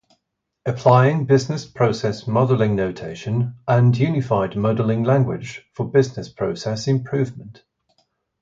Applying Business Process Modeling Notation and Unified Modeling Language for Business Process Improvement.